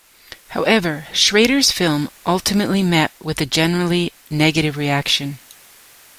However, Schrader's film ultimately met with a generally negative reaction.